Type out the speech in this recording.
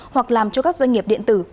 hoặc làm cho các doanh nghiệp điện tử